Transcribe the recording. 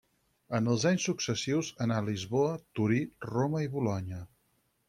En els anys successius anà a Lisboa, Torí, Roma i Bolonya.